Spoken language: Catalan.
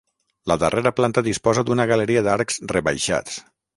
La darrera planta disposa d'una galeria d'arcs rebaixats.